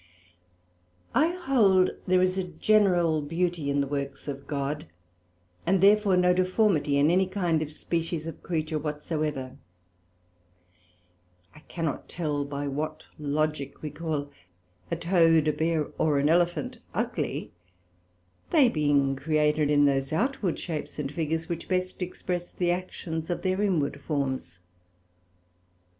I hold there is a general beauty in the works of God, and therefore no deformity in any kind or species of creature whatsoever: I cannot tell by what Logick we call a Toad, a Bear, or an Elephant ugly, they being created in those outward shapes and figures which best express the actions of their inward forms.